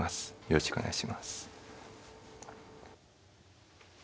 よろしくお願いします。